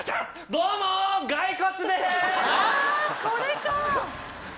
どうもガイコツです